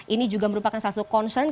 ini juga merupakan satu concern